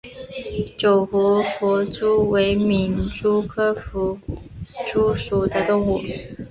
九湖弗蛛为皿蛛科弗蛛属的动物。